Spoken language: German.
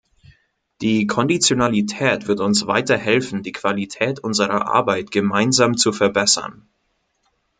Die Konditionalität wird uns weiter helfen, die Qualität unserer Arbeit gemeinsam zu verbessern.